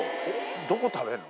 どこを食べるの？